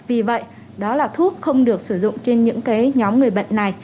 vì vậy đó là thuốc không được sử dụng trên những nhóm người bệnh này